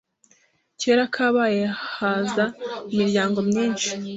Kera kabaye haza imiryango myishi